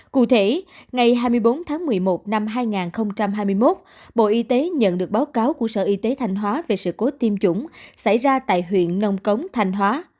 cụ thể ngày hai mươi bốn tháng một mươi một năm hai nghìn hai mươi một bộ y tế nhận được báo cáo của sở y tế thanh hóa về sự cố tiêm chủng xảy ra tại huyện nông cống thành hóa